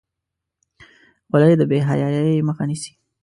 خولۍ د بې حیايۍ مخه نیسي.